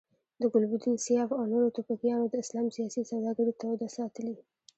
د ګلبدین، سیاف او نورو توپکیانو د اسلام سیاسي سوداګري توده ساتلې.